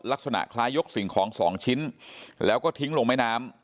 ลักษณะคล้ายยกสิ่งของสองชิ้นแล้วก็ทิ้งลงแม่น้ำ